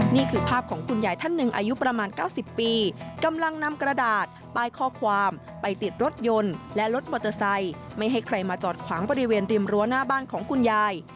นี่คือภาพของคุณยายท่านหนึ่งอายุประมาณ๙๐ปีกำลังนำกระดาษป้ายข้อความไปติดรถยนต์และรถมอเตอร์ไซค์ไม่ให้ใครมาจอดขวางบริเวณริมรั้วหน้าบ้านของคุณยาย